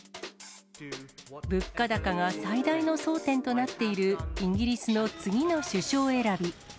物価高が最大の争点となっているイギリスの次の首相選び。